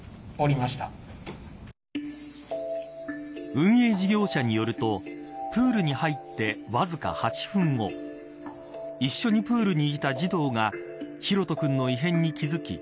運営事業者によるとプールに入って、わずか８分後一緒にプールにいた児童が大翔君の異変に気付き